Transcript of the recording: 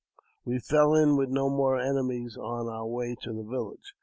We fell in with no more enemies ou our way to the village.